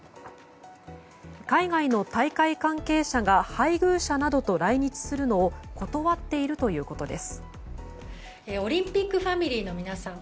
海外の大会関係者が配偶者などと来日するのを断っているということです。